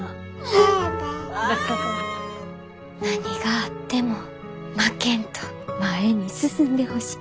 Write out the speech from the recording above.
何があっても負けんと前に進んでほしい。